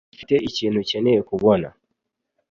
Mfite ikintu ukeneye kubona.